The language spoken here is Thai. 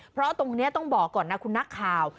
เพราะตรงนี้ต้องบอกก่อนนะคุณนักข่าว